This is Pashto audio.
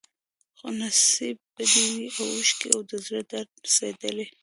خو نصیب به دي وي اوښکي او د زړه درد رسېدلی